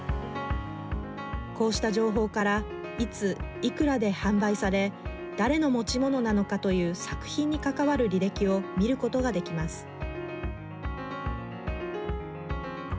こうした情報からいついくらで販売され誰の持ち物なのかという作品にかかわる履歴を見ることができます。